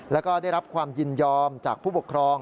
แล้วก็ได้รับความยินยอมจากผู้ปกครอง